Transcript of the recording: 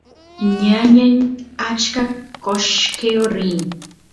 ñañay achka qoshqeo rin